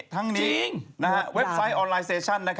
ทั้งนี้เว็บไซต์ออนไลน์